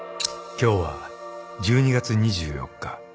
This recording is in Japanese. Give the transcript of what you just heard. ［今日は１２月２４日］